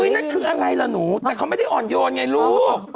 นั่นคืออะไรล่ะหนูแต่เขาไม่ได้อ่อนโยนไงลูก